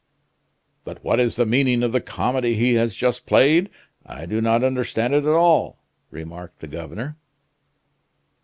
"But what is the meaning of the comedy he has just played? I do not understand it at all," remarked the governor.